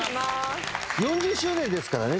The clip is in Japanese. ４０周年ですからね